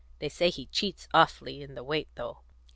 They say he cheats awfully in the weight, though."